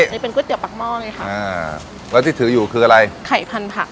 นี่เป็นก๋วเตี๋ปากหม้อเลยค่ะอ่าแล้วที่ถืออยู่คืออะไรไข่พันธะ